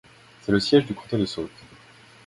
C’est le siège du comté de Sauk.